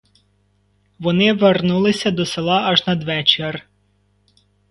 Вони вернулися до села аж надвечір.